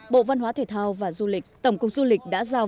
bộ văn hóa thể thao và du lịch tổng cục du lịch đã giao